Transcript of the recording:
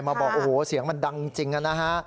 บอกโอ้โหเสียงมันดังจริงนะฮะ